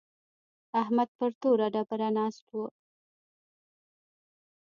احمد پر توره ډبره ناست و.